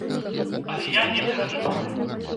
Але я не перажываю.